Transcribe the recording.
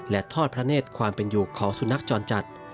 และทอดพระเนธความเป็นอยู่ของสุนัขจรจัด